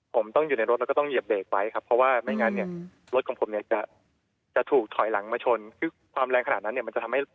ผมต้องอยู่ในรถแล้วก็ต้องเหยียบเดรกไว้ครับ